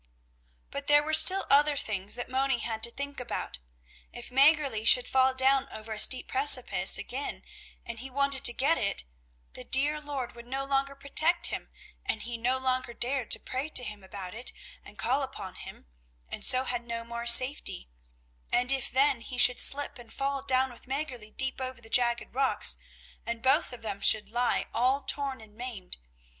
But there were still other things that Moni had to think about. If Mäggerli should fall down over a steep precipice again, and he wanted to get it, the dear Lord would no longer protect him, and he no longer dared to pray to Him about it and call upon Him, and so had no more safety; and if then he should slip and fall down with Mäggerli deep over the jagged, rocks, and both of them should lie all torn and maimed!